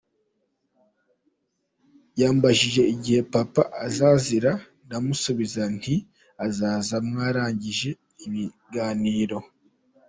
Yambajije igihe Papa azazira ndamusubiza nti azaza mwarangije ibiganiro.